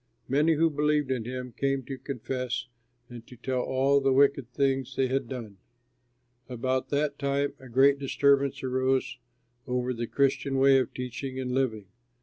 Many who believed in him came to confess and to tell all the wicked things they had done. About that time a great disturbance arose over the Christian way of teaching and living.